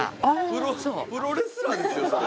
プロレスラーですよそれ。